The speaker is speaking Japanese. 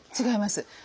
違います。